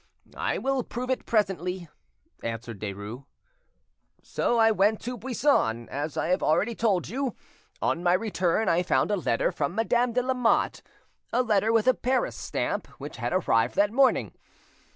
"I will prove it presently," answered Derues. "So I went to Buisson, as I have already told you. On my return I found a letter from Madame de Lamotte, a letter with a Paris stamp, which had arrived that morning.